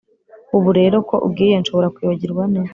ubu rero ko ugiye, nshobora kwibagirwa nte?